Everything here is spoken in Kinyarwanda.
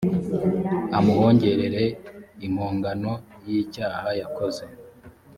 amuhongerere impongano y icyaha yakoze